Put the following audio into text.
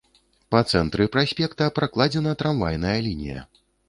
Па цэнтры праспекта пракладзена трамвайная лінія.